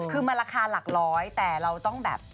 คือมันราคาหลักร้อยแต่เราต้องแบบ